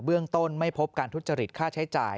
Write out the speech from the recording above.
เรื่องต้นไม่พบการทุจริตค่าใช้จ่าย